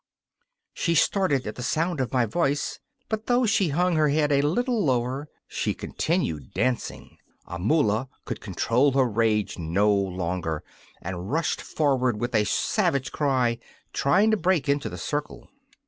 She started at the sound of my voice, but though she hung her head a little lower, she continued dancing. Amula could control her rage no longer, and rushed forward with a savage cry, trying to break into the circle.